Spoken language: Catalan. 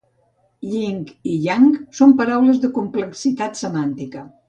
Yin i yang són paraules de complexitat semàntica.